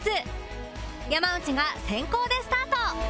山内が先攻でスタート